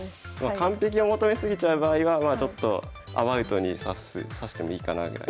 完璧を求め過ぎちゃう場合はちょっとアバウトに指してもいいかなぐらい。